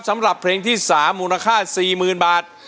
สำหรับเพลงที่๓มูลค่า๔๐๐๐บาท